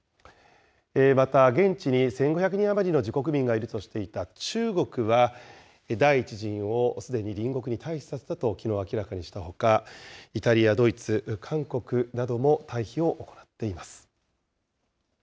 また現地に１５００人余りの自国民がいるとしていた中国は、第１陣をすでに隣国に退避させたときのう明らかにしたほか、イタリア、ドイツ、韓国なども退避を行っています。